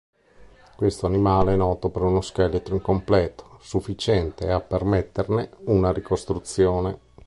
Questo animale è noto per uno scheletro incompleto, sufficiente a permetterne una ricostruzione.